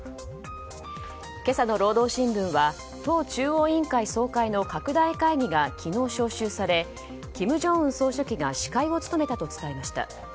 今朝の労働新聞は党中央委員会総会の拡大会議が昨日、招集され金正恩総書記が司会を務めたと伝えました。